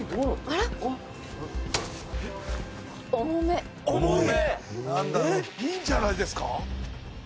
えーっいいんじゃないですか？」